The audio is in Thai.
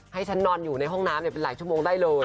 ให้ฉันนอนอยู่ในห้องน้ำเป็นหลายชั่วโมงได้เลย